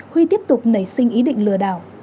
huy tiếp tục nảy sinh ý định lừa đảo